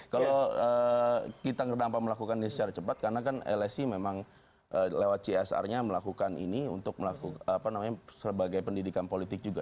kalau kita dapat melakukan ini secara cepat karena kan lsi memang lewat csr nya melakukan ini untuk melakukan apa namanya sebagai pendidikan politik juga